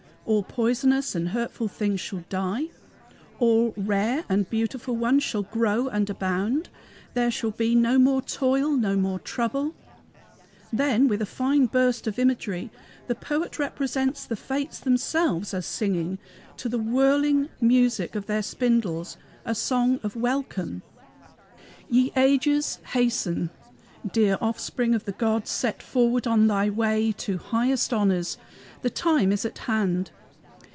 All poisonous and hurtful things shall die; all rare and beautiful ones shall grow and abound; there shall be no more toil, no more trouble. Then, with a fine burst of imagery, the poet represents the Fates themselves as singing, to the whirring music of their spindles, a song of welcome: "Ye ages, hasten! Dear offspring of the gods, set forward on thy way to highest honors; The time is at hand.